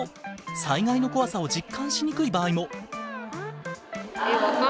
災害の怖さを実感しにくい場合も。